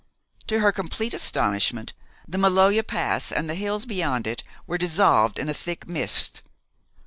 To her complete astonishment, the Maloja Pass and the hills beyond it were dissolved in a thick mist.